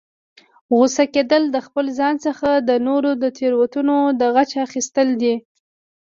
غوسه کیدل، د خپل ځان څخه د نورو د تیروتنو د غچ اخستل دي